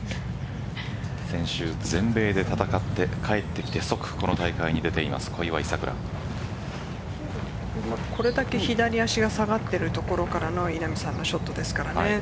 先週全米で戦って帰ってきて即、この大会にこれだけ左足が下がっているところからの稲見さんのショットですからね。